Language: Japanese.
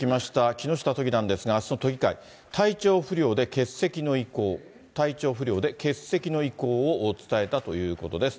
木下都議なんですが、あすの都議会、体調不良で欠席の意向、体調不良で欠席の意向を伝えたということです。